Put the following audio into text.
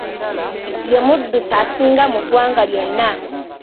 Ye muddusi asinga mu ggwanga lyonna.